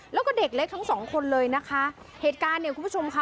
แล้วก็เด็กเล็กทั้งสองคนเลยนะคะเหตุการณ์เนี่ยคุณผู้ชมค่ะ